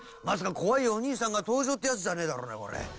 まさか怖いお兄さんが登場ってやつじゃねえだろうなこれ。